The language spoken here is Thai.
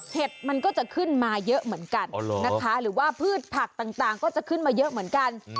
มันก็จะขึ้นมาเยอะเหมือนกันนะคะหรือว่าพืชผักต่างก็จะขึ้นมาเยอะเหมือนกัน